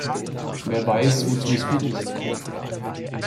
Wer weiß, wozu es gut ist!